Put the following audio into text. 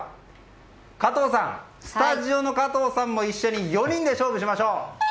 ではスタジオの加藤さんも一緒に４人で勝負しましょう。